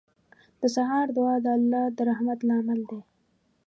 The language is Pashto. • د سهار دعا د الله د رحمت لامل دی.